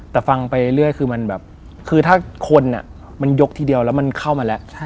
แต่ฟังไปเรื่อยคือมันแบบคือถ้าคนมันยกทีเดียวแล้วมันเข้ามาแล้ว